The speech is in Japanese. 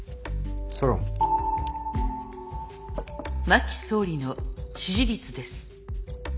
真木総理の支持率です。